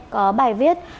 có bài viết